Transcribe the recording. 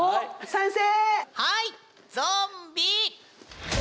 賛成！